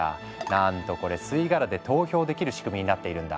なんとこれ吸い殻で投票できる仕組みになっているんだ。